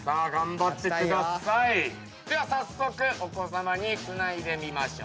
では早速お子さまにつないでみましょう。